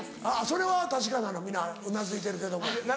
それは確かなの皆うなずいてるけども。